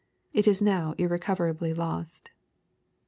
It is now irrecoverably lost.